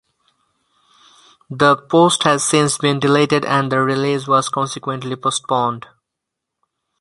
The post has since been deleted and the release was consequently postponed.